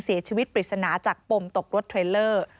เสียชีวิตปริศนาจากปมตกรถเทรลเลอร์